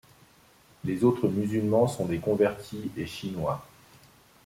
Les autres musulmans sont des convertis et Chinois.